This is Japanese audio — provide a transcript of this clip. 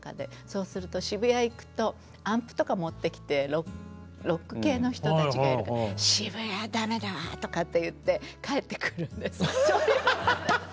そうすると渋谷行くとアンプとか持ってきてロック系の人たちがいるから「渋谷は駄目だわ」とかって言って帰ってくるんです。